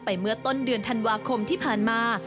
เมื่อต้นเดือนธันวาคมที่ผ่านมา